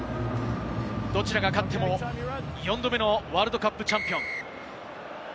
どちらが勝っても４度目のワールドカップチャンピオン。